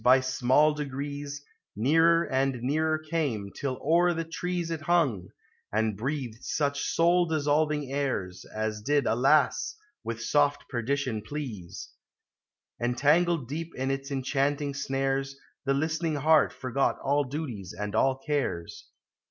by small degrees, Nearer and nearer came, till o'er the trees It hung, and breathed such soul dissolving airs, As did, alas ! with soft perdition please : MYTHICAL: LEGENDARY. 123 Entangled deep in its enchanting snares, The listening heart forgot all duties and all cares.